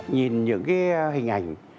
nhìn những cái hình ảnh